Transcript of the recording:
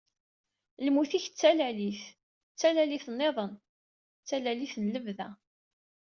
Lmut-ik d talalit, d talalit-nniḍen, d talalit n lebda.